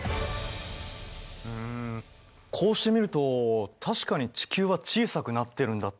うんこうして見ると確かに地球は小さくなってるんだってことが分かるよね。